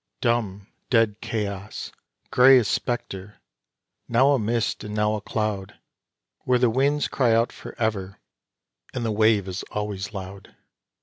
Dumb, dead chaos, grey as spectre, now a mist and now a cloud, Where the winds cry out for ever, and the wave is always loud.